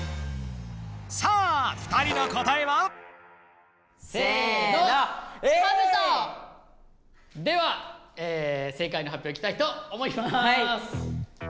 さあ２人の答えは？では正解のはっぴょういきたいと思います。